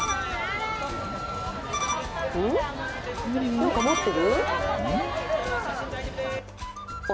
何か持ってる？